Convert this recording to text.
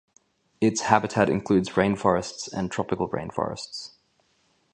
Its habitat includes rainforests and tropical rainforests.